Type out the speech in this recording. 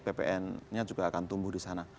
ppn nya juga akan tumbuh di sana